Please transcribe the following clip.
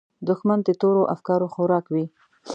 دښمن د تورو افکارو خوراک وي